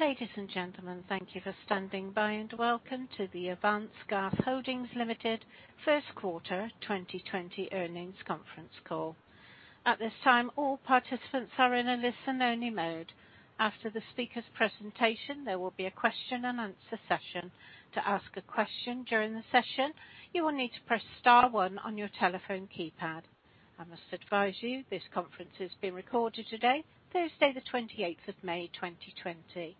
Ladies and gentlemen, thank you for standing by and welcome to the Avance Gas Holding Ltd first quarter 2020 earnings conference call. At this time, all participants are in a listen-only mode. After the speaker's presentation, there will be a question and answer session. To ask a question during the session, you will need to press star 1 on your telephone keypad. I must advise you this conference is being recorded today, Thursday, the 28th of May 2020.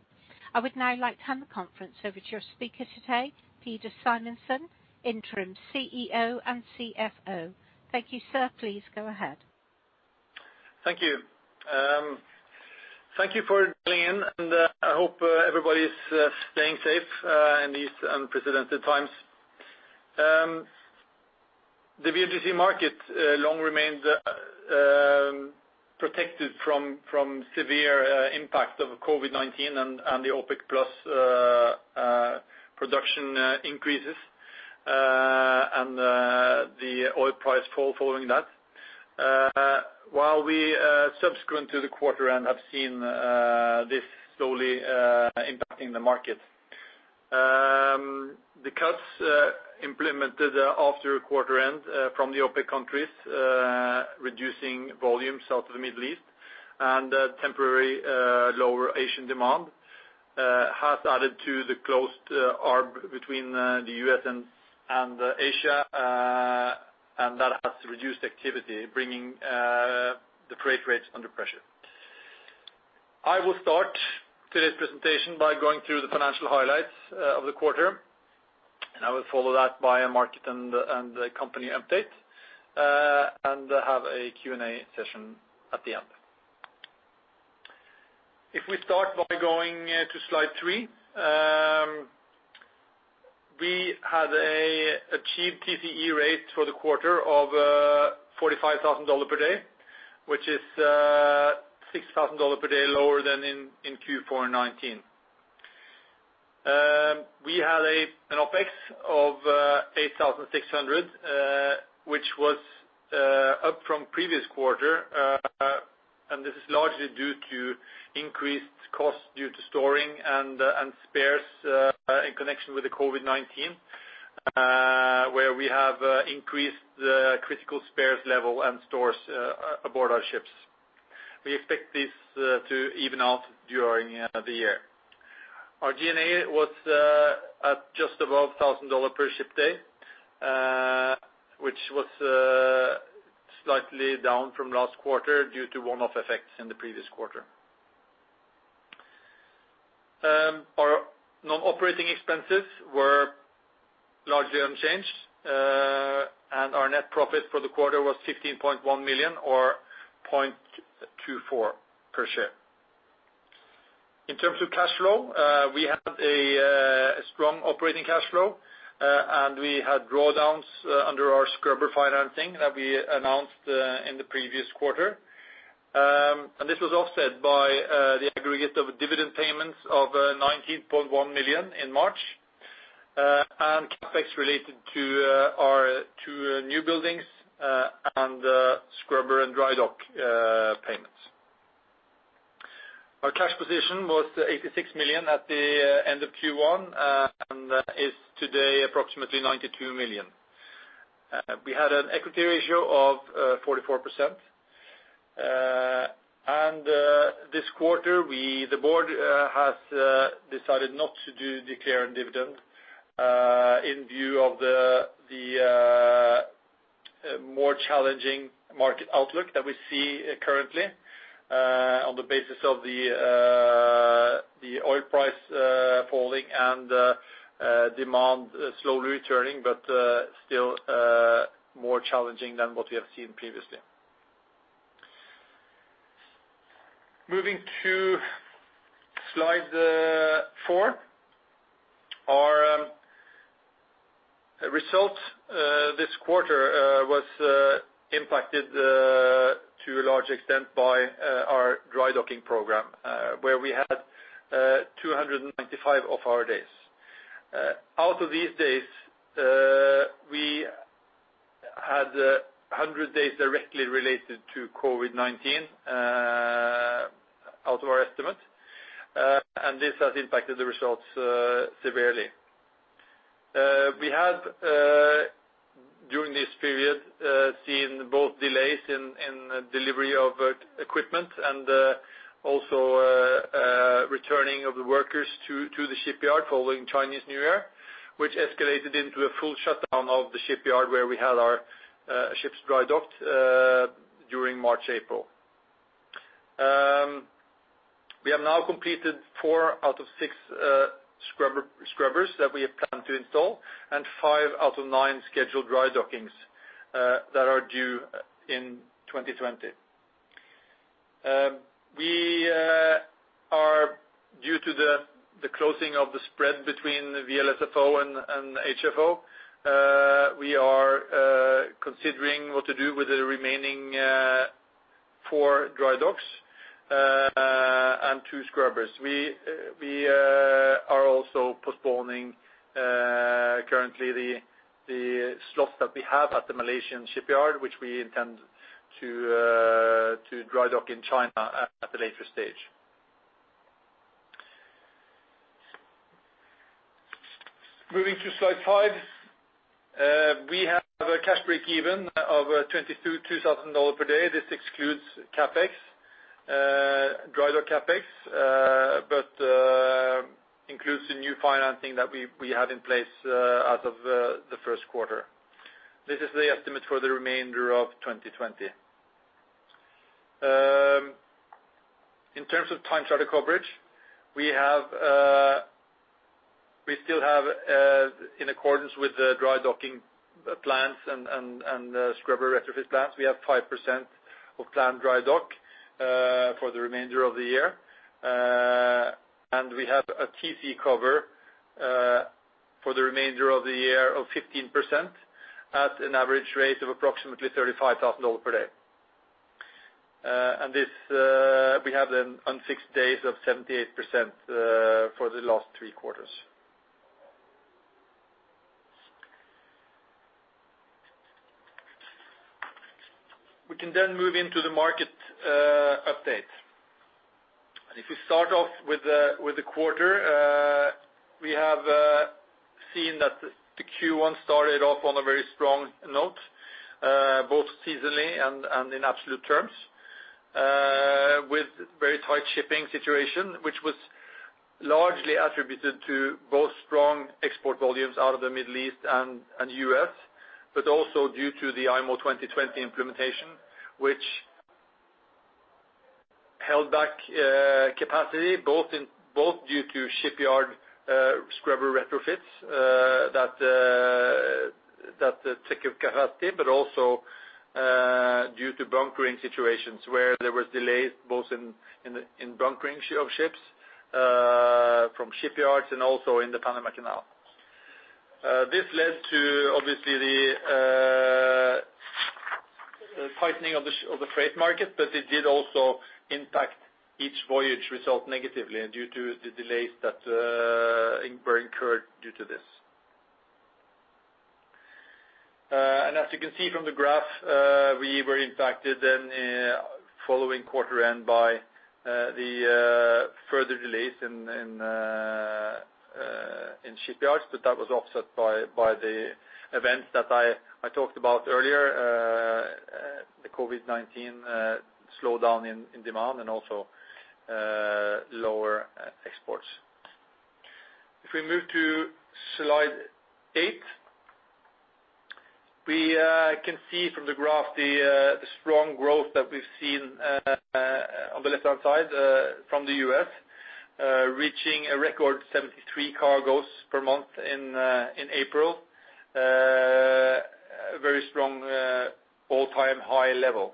I would now like to hand the conference over to your speaker today, Peder Simonsen, Interim CEO and CFO. Thank you, sir. Please go ahead. Thank you. Thank you for dialing in. I hope everybody's staying safe in these unprecedented times. The VLGC market long remained protected from severe impact of COVID-19. The OPEC Plus production increases and the oil price fall following that. While we, subsequent to the quarter end, have seen this slowly impacting the market. The cuts implemented after quarter end from the OPEC countries, reducing volumes out of the Middle East and temporary lower Asian demand has added to the closed arb between the U.S. and Asia. That has reduced activity, bringing the freight rates under pressure. I will start today's presentation by going through the financial highlights of the quarter. I will follow that by a market and company update, and have a Q&A session at the end. If we start by going to slide three. We had achieved TCE rate for the quarter of $45,000 per day, which is $6,000 per day lower than in Q4 2019. We had an OpEx of $8,600, which was up from previous quarter. This is largely due to increased costs due to storing and spares in connection with the COVID-19, where we have increased critical spares level and stores aboard our ships. We expect this to even out during the year. Our G&A was at just above $1,000 per ship day, which was slightly down from last quarter due to one-off effects in the previous quarter. Our non-operating expenses were largely unchanged, and our net profit for the quarter was $15.1 million or $0.24 per share. In terms of cash flow, we had a strong operating cash flow. We had drawdowns under our scrubber financing that we announced in the previous quarter. This was offset by the aggregate of dividend payments of $19.1 million in March and CapEx related to our two new buildings and scrubber and dry dock payments. Our cash position was $86 million at the end of Q1 and is today approximately $92 million. We had an equity ratio of 44%. This quarter, the board has decided not to do declaring dividend in view of the more challenging market outlook that we see currently on the basis of the oil price falling and demand slowly returning. Still more challenging than what we have seen previously. Moving to slide four. Our result this quarter was impacted to a large extent by our dry docking program, where we had 295 of our days. Out of these days, we had 100 days directly related to COVID-19 out of our estimate. This has impacted the results severely. We have, during this period, seen both delays in delivery of equipment and also returning of the workers to the shipyard following Chinese New Year, which escalated into a full shutdown of the shipyard where we had our ships dry docked during March, April. We have now completed four out of six scrubbers that we have planned to install and five out of nine scheduled dry dockings that are due in 2020. Due to the closing of the spread between VLSFO and HFO, we are considering what to do with the remaining four dry docks and two scrubbers. We are also postponing currently the slots that we have at the Malaysian shipyard, which we intend to dry dock in China at a later stage. Moving to slide five. We have a cash break-even of $22,000 per day. This excludes dry dock CapEx, but includes the new financing that we had in place as of the first quarter. This is the estimate for the remainder of 2020. In terms of time charter coverage, we still have, in accordance with the dry docking plans and scrubber retrofit plans, we have 5% of planned dry dock for the remainder of the year. We have a TC cover for the remainder of the year of 15%, at an average rate of approximately $35,000 per day. We have them on six days of 78% for the last three quarters. We can move into the market update. If we start off with the quarter, we have seen that the Q1 started off on a very strong note both seasonally and in absolute terms with very tight shipping situation, which was largely attributed to both strong export volumes out of the Middle East and U.S., but also due to the IMO 2020 implementation, which held back capacity, both due to shipyard scrubber retrofits that took capacity, but also due to bunkering situations where there was delays, both in bunkering of ships from shipyards and also in the Panama Canal. This led to, obviously, the tightening of the freight market, but it did also impact each voyage result negatively and due to the delays that were incurred due to this. As you can see from the graph, we were impacted then following quarter end by the further delays in shipyards, but that was offset by the events that I talked about earlier. The COVID-19 slowdown in demand and also lower exports. If we move to slide eight. We can see from the graph the strong growth that we've seen on the left-hand side from the U.S., reaching a record 73 cargoes per month in April, a very strong all-time high level.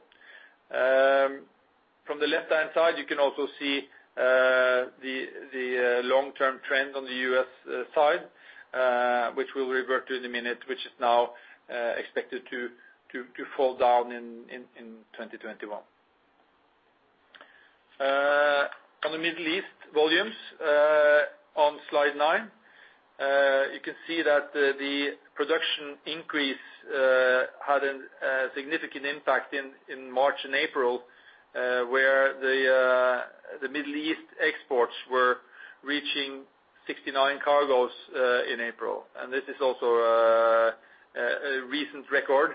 From the left-hand side, you can also see the long-term trend on the U.S. side, which we'll revert to in a minute, which is now expected to fall down in 2021. On the Middle East volumes, on slide nine, you can see that the production increase had a significant impact in March and April, where the Middle East exports were reaching 69 cargoes in April. This is also a recent record.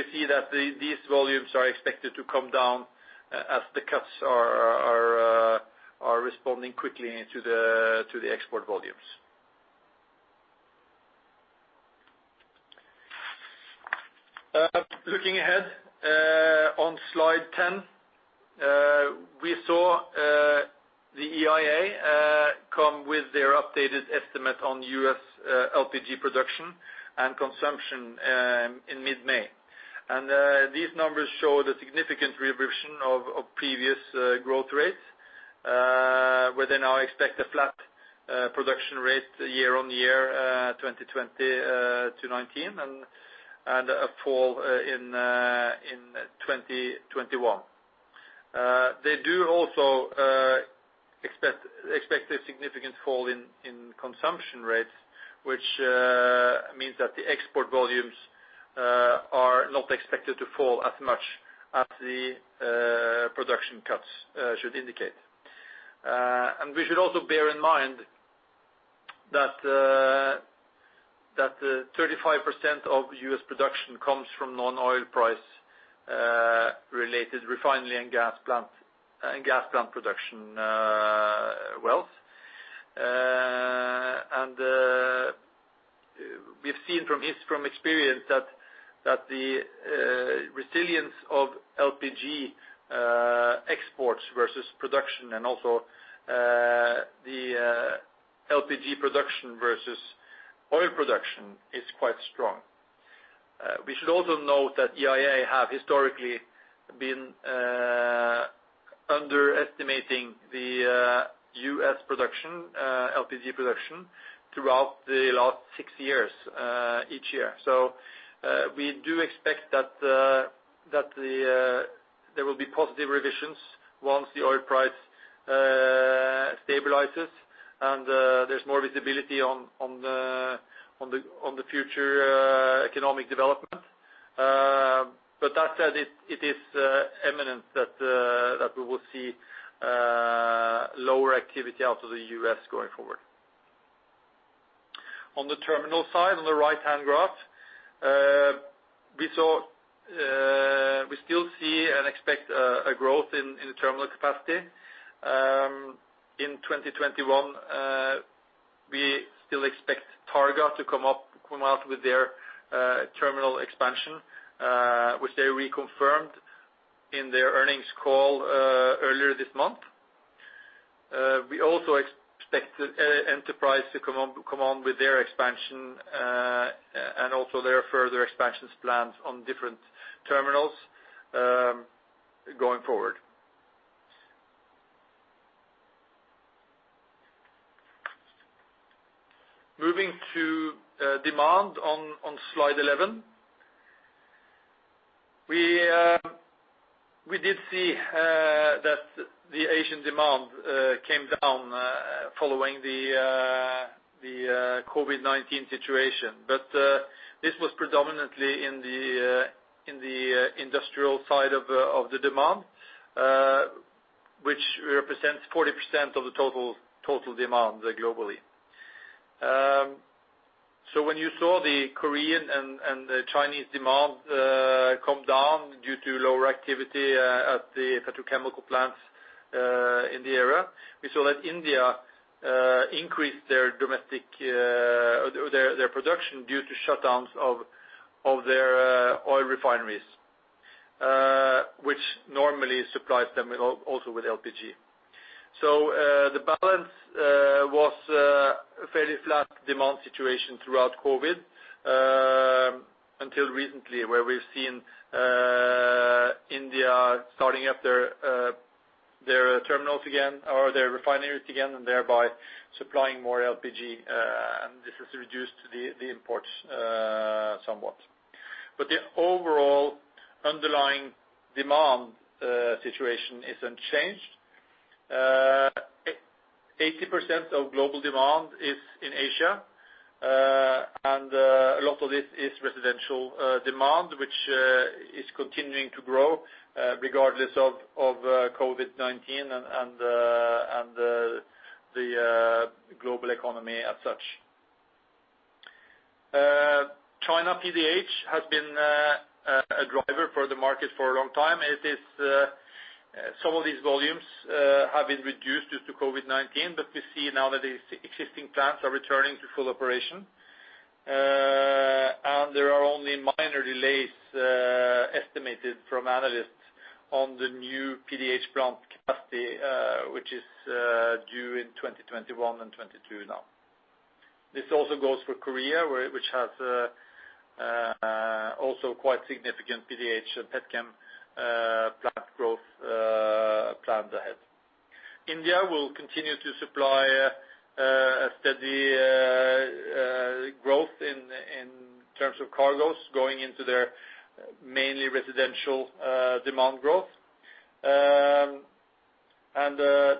We see that these volumes are expected to come down as the cuts are responding quickly to the export volumes. Looking ahead, on slide 10. We saw the EIA come with their updated estimate on U.S. LPG production and consumption in mid-May. These numbers show the significant reversion of previous growth rates where they now expect a flat production rate year-on-year 2020 to 2019 and a fall in 2021. They do also expect a significant fall in consumption rates, which means that the export volumes are not expected to fall as much as the production cuts should indicate. We should also bear in mind that 35% of U.S. production comes from non-oil price related refinery and gas plant production wells. We've seen from experience that the resilience of LPG exports versus production and also the LPG production versus oil production is quite strong. We should also note that EIA have historically been underestimating the U.S. LPG production throughout the last six years each year. We do expect positive revisions once the oil price stabilizes and there's more visibility on the future economic development. That said, it is imminent that we will see lower activity out of the U.S. going forward. On the terminal side, on the right-hand graph, we still see and expect a growth in terminal capacity. In 2021, we still expect Targa to come out with their terminal expansion, which they reconfirmed in their earnings call earlier this month. We also expect Enterprise to come on with their expansion, and also their further expansions plans on different terminals going forward. Moving to demand on slide 11. We did see that the Asian demand came down following the COVID-19 situation. This was predominantly in the industrial side of the demand, which represents 40% of the total demand globally. When you saw the Korean and the Chinese demand come down due to lower activity at the petrochemical plants in the area, we saw that India increased their production due to shutdowns of their oil refineries, which normally supplies them also with LPG. The balance was a fairly flat demand situation throughout COVID, until recently where we've seen India starting up their terminals again or their refineries again, and thereby supplying more LPG. This has reduced the imports somewhat. The overall underlying demand situation is unchanged. 80% of global demand is in Asia. A lot of this is residential demand, which is continuing to grow regardless of COVID-19 and the global economy as such. China PDH has been a driver for the market for a long time. Some of these volumes have been reduced due to COVID-19. We see now that the existing plants are returning to full operation. There are only minor delays estimated from analysts on the new PDH plant capacity which is due in 2021 and 2022 now. This also goes for Korea, which has also quite significant PDH petchem plant growth plans ahead. India will continue to supply a steady growth in terms of cargoes going into their mainly residential demand growth.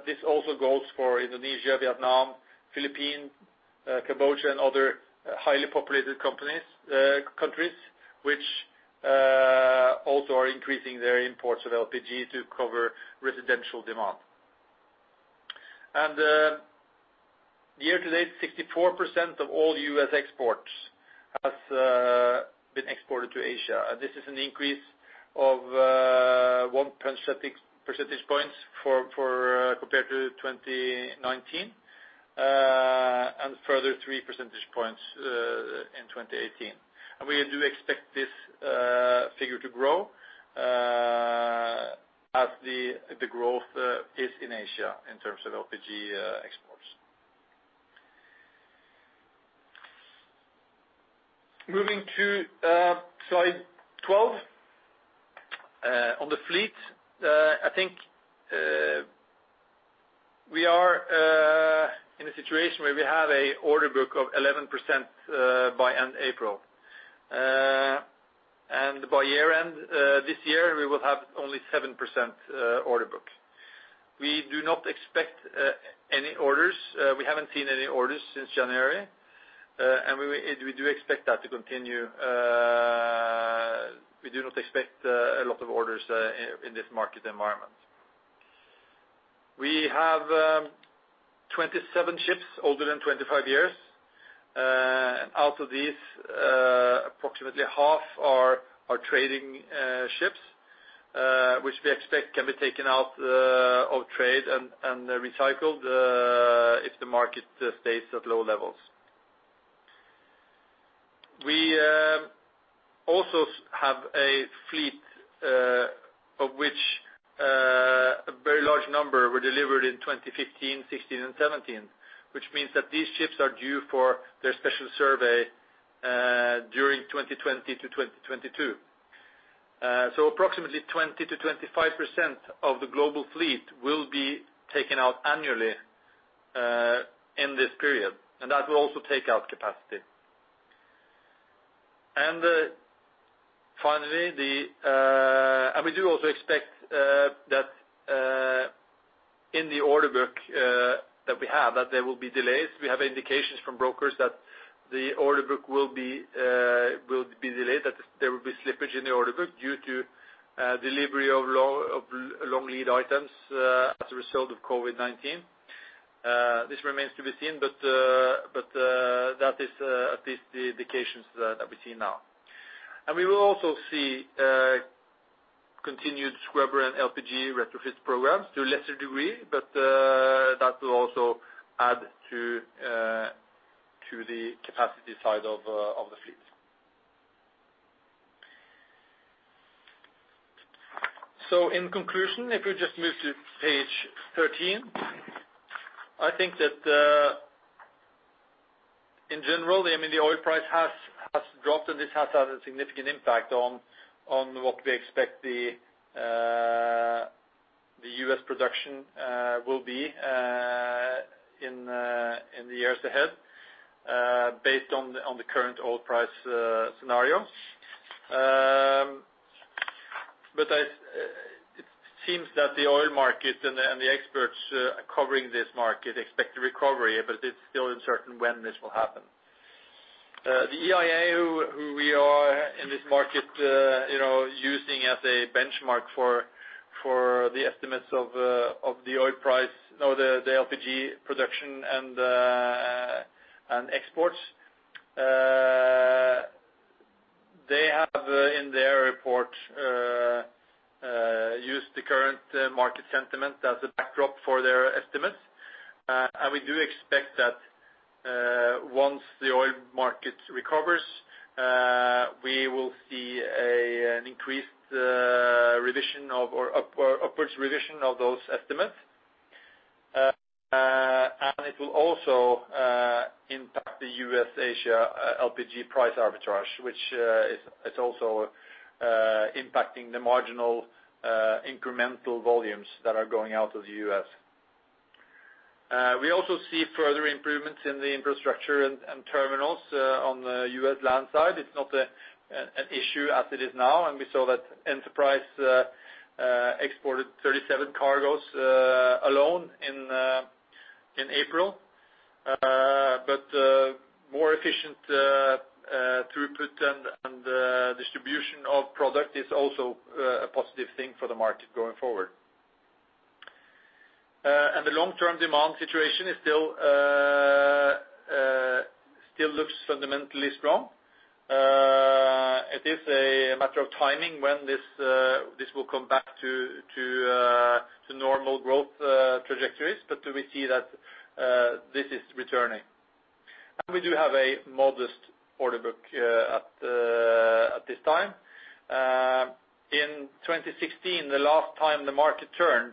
This also goes for Indonesia, Vietnam, Philippines, Cambodia, and other highly populated countries which also are increasing their imports of LPG to cover residential demand. Year to date, 64% of all U.S. exports has been exported to Asia. This is an increase of one percentage points compared to 2019, and further three percentage points in 2018. We do expect this figure to grow as the growth is in Asia in terms of LPG exports. Moving to slide 12. On the fleet, I think we are in a situation where we have a order book of 11% by end April. By year-end this year, we will have only 7% order book. We do not expect any orders. We haven't seen any orders since January. We do expect that to continue. We do not expect a lot of orders in this market environment. We have 27 ships older than 25 years. Out of these, approximately half are trading ships which we expect can be taken out of trade and recycled if the market stays at low levels. We also have a fleet of which a very large number were delivered in 2015, 2016, and 2017, which means that these ships are due for their special survey during 2020 to 2022. Approximately 20%-25% of the global fleet will be taken out annually in this period. That will also take out capacity. Finally, we do also expect that in the order book that we have, that there will be delays. We have indications from brokers that the order book will be delayed, that there will be slippage in the order book due to delivery of long lead items as a result of COVID-19. This remains to be seen, but that is at least the indications that we see now. We will also see continued scrubber and LPG retrofit programs to a lesser degree, but that will also add to the capacity side of the fleet. In conclusion, if you just move to page 13, I think that in general, the oil price has dropped and this has had a significant impact on what we expect the U.S. production will be in the years ahead based on the current oil price scenario. It seems that the oil market and the experts covering this market expect a recovery, but it's still uncertain when this will happen. The EIA, who we are in this market using as a benchmark for the estimates of the LPG production and exports, they have, in their report, used the current market sentiment as a backdrop for their estimates. We do expect that once the oil market recovers, we will see an increased revision or upwards revision of those estimates. It will also impact the U.S.-Asia LPG price arbitrage, which is also impacting the marginal incremental volumes that are going out of the U.S. We also see further improvements in the infrastructure and terminals on the U.S. land side. It's not an issue as it is now, and we saw that Enterprise exported 37 cargos alone in April. More efficient throughput and distribution of product is also a positive thing for the market going forward. The long-term demand situation still looks fundamentally strong. It is a matter of timing when this will come back to normal growth trajectories, but we see that this is returning. We do have a modest order book at this time. In 2016, the last time the market turned,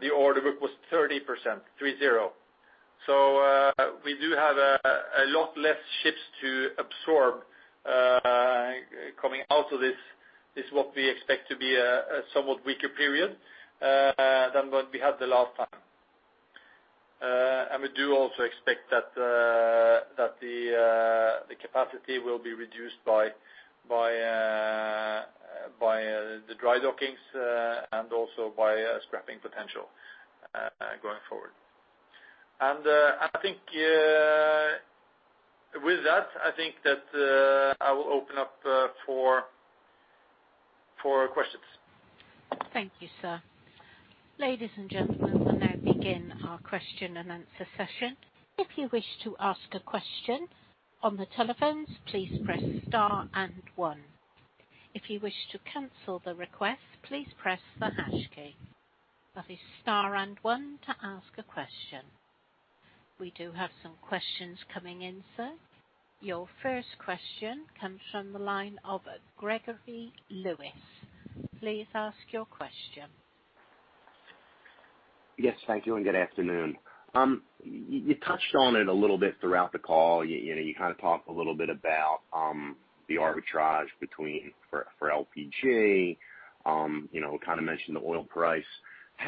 the order book was 30%, three zero. We do have a lot less ships to absorb coming out of this what we expect to be a somewhat weaker period than what we had the last time. We do also expect that the capacity will be reduced by the dry dockings and also by scrapping potential going forward. With that, I think that I will open up for questions. Thank you, sir. Ladies and gentlemen, we now begin our question and answer session. If you wish to ask a question on the telephones, please press star and one. If you wish to cancel the request, please press the hash key. That is star and one to ask a question. We do have some questions coming in, sir. Your first question comes from the line of Gregory Lewis. Please ask your question. Yes, thank you and good afternoon. You touched on it a little bit throughout the call. You kind of talked a little bit about the arbitrage between, for LPG, kind of mentioned the oil price.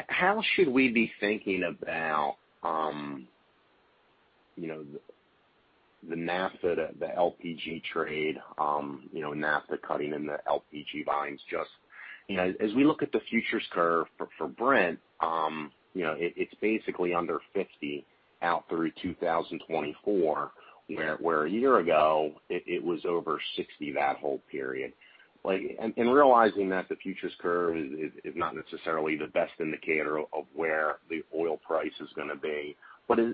How should we be thinking about the naphtha, the LPG trade, naphtha cutting in the LPG volumes as we look at the futures curve for Brent, it's basically under 50 out through 2024, where a year ago it was over 60 that whole period. Realizing that the futures curve is not necessarily the best indicator of where the oil price is going to be.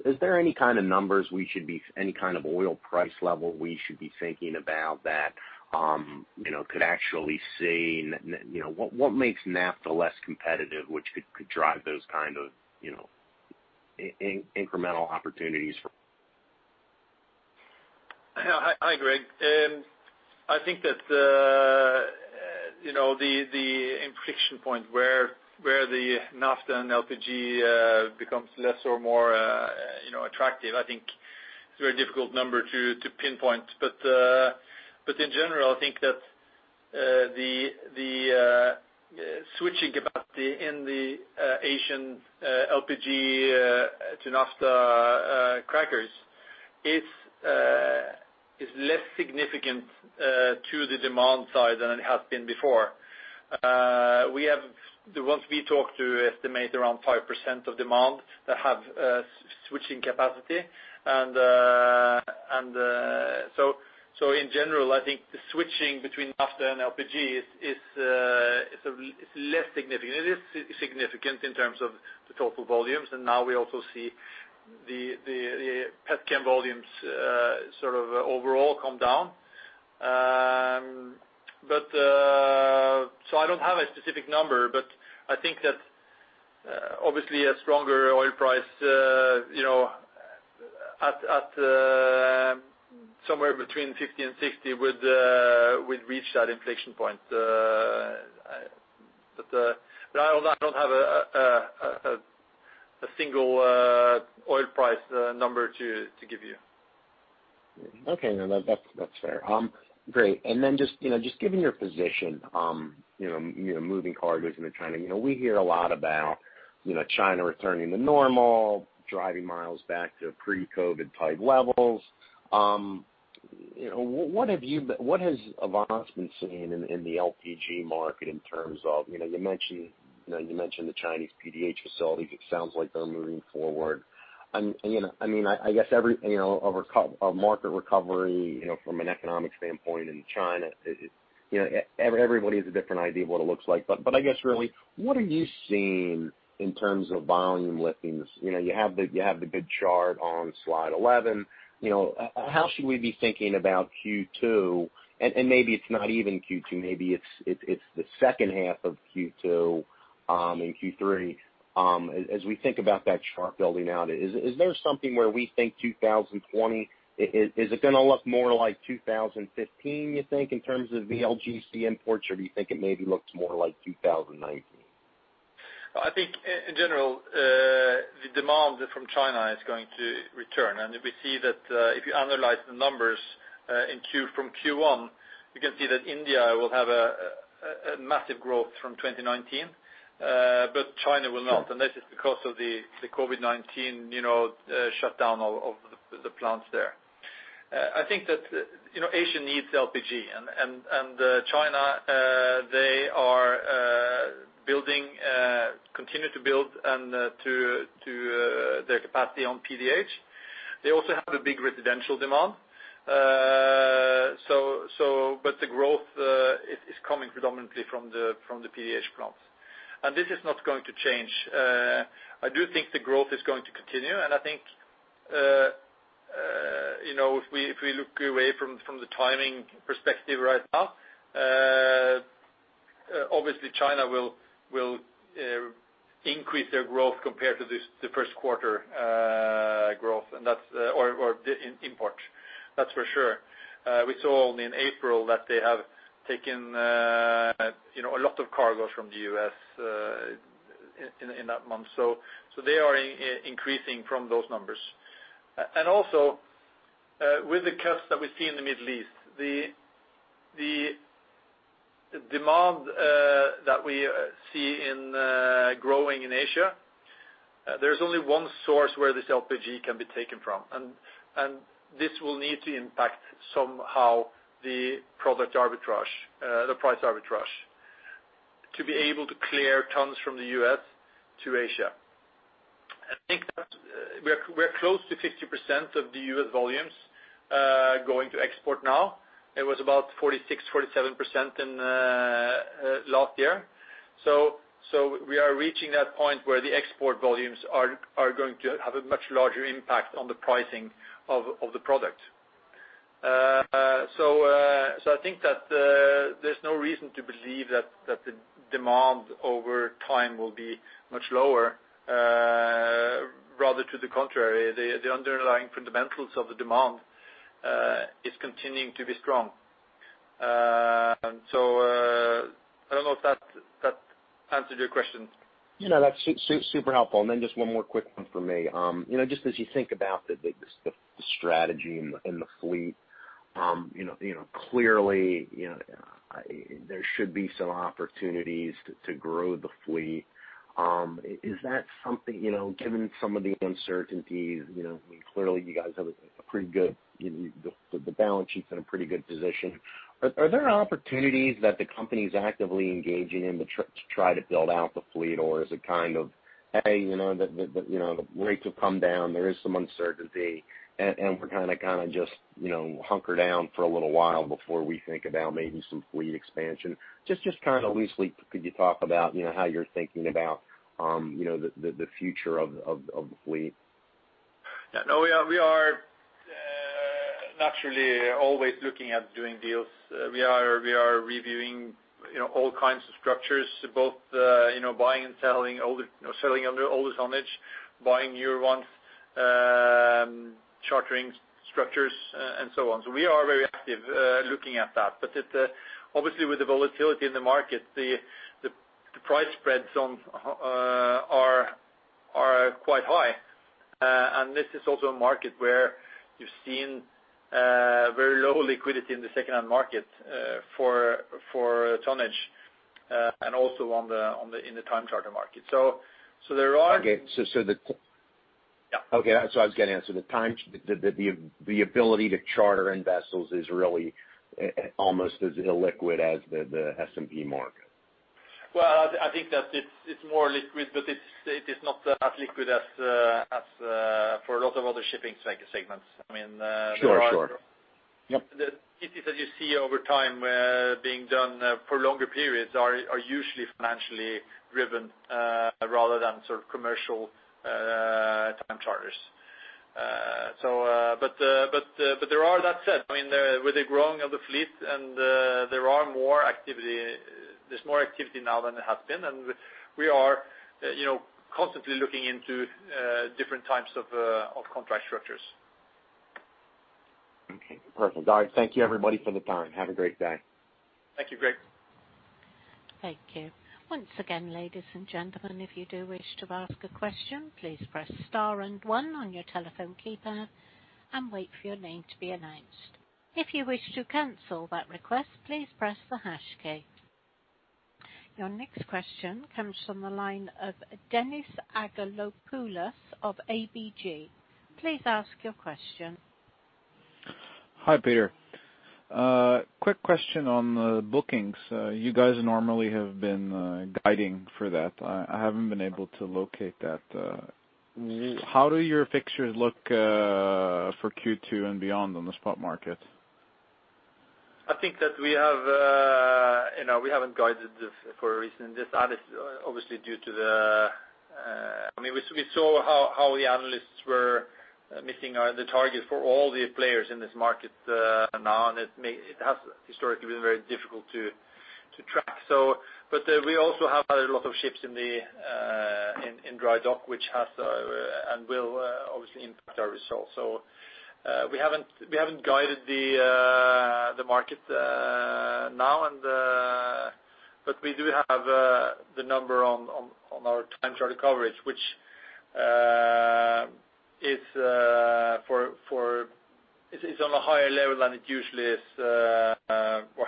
Is there any kind of oil price level we should be thinking about that could actually see what makes naphtha less competitive, which could drive those kind of incremental opportunities? Hi, Greg. I think that the inflection point where the naphtha and LPG becomes less or more attractive, I think it's a very difficult number to pinpoint. In general, I think that the switching capacity in the Asian LPG to naphtha crackers is less significant to the demand side than it has been before. The ones we talk to estimate around 5% of demand that have switching capacity. In general, I think the switching between naphtha and LPG is less significant. It is significant in terms of the total volumes, and now we also see the petchem volumes sort of overall come down. I don't have a specific number, but I think that obviously a stronger oil price at somewhere between $50 and $60 would reach that inflection point. I don't have a single oil price number to give you. Okay. No, that's fair. Great. Just given your position, moving cargoes into China, we hear a lot about China returning to normal, driving miles back to pre-COVID type levels. What has Avance been seeing in the LPG market in terms of, you mentioned the Chinese PDH facilities, it sounds like they're moving forward. A market recovery from an economic standpoint in China, everybody has a different idea of what it looks like. What are you seeing in terms of volume liftings? You have the good chart on slide 11. How should we be thinking about Q2, and maybe it's not even Q2, maybe it's the second half of Q2, in Q3. As we think about that chart building out, is there something where we think 2020, is it going to look more like 2015, you think, in terms of the LPG imports, or do you think it maybe looks more like 2019? I think in general, the demand from China is going to return. We see that if you analyze the numbers from Q1, you can see that India will have a massive growth from 2019, but China will not, and that is because of the COVID-19 shutdown of the plants there. I think that Asia needs LPG and China, they are building, continue to build their capacity on PDH. They also have a big residential demand. The growth is coming predominantly from the PDH plants. This is not going to change. I do think the growth is going to continue, and I think if we look away from the timing perspective right now, obviously China will increase their growth compared to the first quarter growth or the imports, that's for sure. We saw in April that they have taken a lot of cargoes from the U.S. in that month. They are increasing from those numbers. Also, with the cuts that we see in the Middle East, the demand that we see growing in Asia, there's only one source where this LPG can be taken from, and this will need to impact somehow the price arbitrage, to be able to clear tons from the U.S. to Asia. I think that we are close to 50% of the U.S. volumes going to export now. It was about 46%, 47% last year. We are reaching that point where the export volumes are going to have a much larger impact on the pricing of the product. I think that there's no reason to believe that the demand over time will be much lower. Rather to the contrary, the underlying fundamentals of the demand is continuing to be strong. I don't know if that answered your question. That's super helpful. Then just one more quick one from me. Just as you think about the strategy and the fleet. Clearly, there should be some opportunities to grow the fleet. Is that something, given some of the uncertainties, clearly you guys have the balance sheet's in a pretty good position. Are there opportunities that the company's actively engaging in to try to build out the fleet, or is it kind of, hey, the rates have come down, there is some uncertainty, and we're kind of just hunker down for a little while before we think about maybe some fleet expansion? Just kind of loosely, could you talk about how you're thinking about the future of the fleet? No. We are naturally always looking at doing deals. We are reviewing all kinds of structures, both buying and selling older tonnage, buying newer ones, chartering structures and so on. We are very active looking at that. Obviously with the volatility in the market, the price spreads on quite high. This is also a market where you've seen very low liquidity in the second-hand market for tonnage, and also in the time charter market. There are. Okay. Yeah. Okay. That's what I was getting at. The ability to charter in vessels is really almost as illiquid as the S&P market. Well, I think that it's more liquid, but it is not as liquid as for a lot of other shipping segments. Sure. the deals that you see over time being done for longer periods are usually financially driven, rather than commercial time charters. That said, with the growing of the fleet there's more activity now than there has been, and we are constantly looking into different types of contract structures. Okay, perfect. All right, thank you everybody for the time. Have a great day. Thank you, Greg. Thank you. Once again, ladies and gentlemen, if you do wish to ask a question, please press star and one on your telephone keypad and wait for your name to be announced. If you wish to cancel that request, please press the hash key. Your next question comes from the line of Dennis Anghelopoulos of ABG. Please ask your question. Hi, Peder. Quick question on the bookings. You guys normally have been guiding for that. I haven't been able to locate that. How do your fixtures look for Q2 and beyond on the spot market? I think that we haven't guided this for a reason. This obviously, we saw how the analysts were missing the target for all the players in this market now, and it has historically been very difficult to track. We also have a lot of ships in dry dock, and will obviously impact our results. We haven't guided the market now, but we do have the number on our time charter coverage, which is on a higher level than it usually is or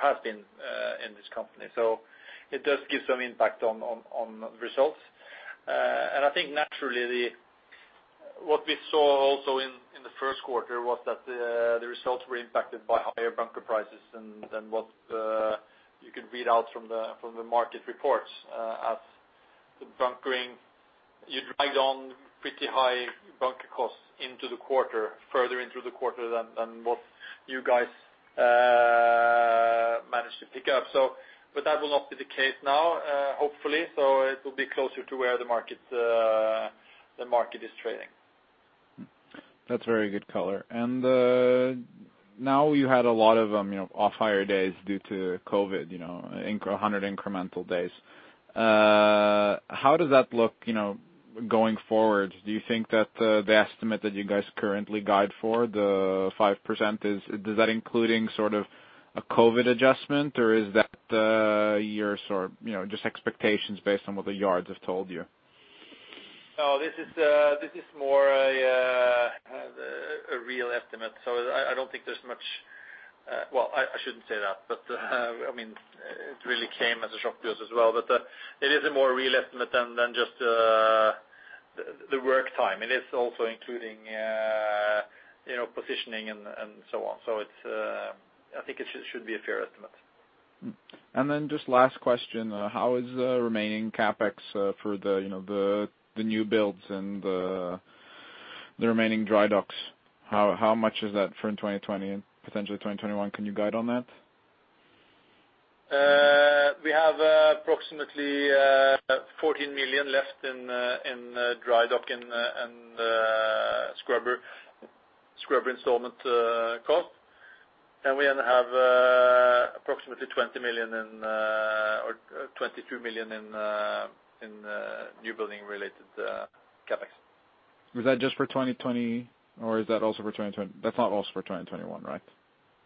has been in this company. It does give some impact on results. I think naturally, what we saw also in the first quarter was that the results were impacted by higher bunker prices than what you could read out from the market reports. As the bunkering, you drag on pretty high bunker costs into the quarter, further into the quarter than what you guys managed to pick up. That will not be the case now, hopefully. It will be closer to where the market is trading. That's very good color. Now you had a lot of off-hire days due to COVID, 100 incremental days. How does that look going forward? Do you think that the estimate that you guys currently guide for, the 5%, does that including sort of a COVID adjustment or is that your sort of, just expectations based on what the yards have told you? This is more a real estimate. I don't think there's much Well, I shouldn't say that, it really came as a shock to us as well. It is a more real estimate than just the work time. It is also including positioning and so on. I think it should be a fair estimate. Just last question, how is the remaining CapEx for the new builds and the remaining dry docks? How much is that for in 2020 and potentially 2021? Can you guide on that? We have approximately $14 million left in dry dock and scrubber installment cost. We have approximately $20 million or $22 million in new building related CapEx. Was that just for 2020 or is that also for That's not also for 2021, right?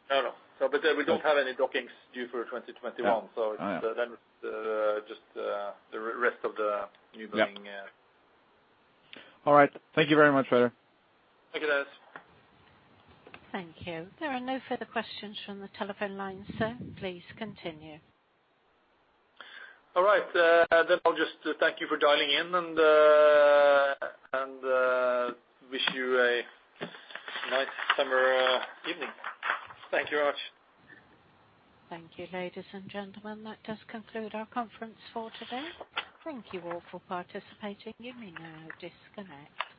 No. We don't have any dockings due for 2021. Yeah. That's just the rest of the new building. Yep. All right. Thank you very much, Peder. Thank you, Dennis. Thank you. There are no further questions from the telephone lines, sir. Please continue. All right. I'll just thank you for dialing in and wish you a nice summer evening. Thank you much. Thank you, ladies and gentlemen. That does conclude our conference for today. Thank you all for participating. You may now disconnect.